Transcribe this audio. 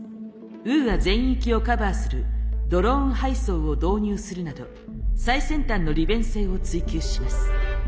ウーア全域をカバーするドローン配送を導入するなど最先端の利便性を追求します。